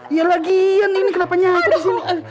ya lagian ini kenapa nyaku disini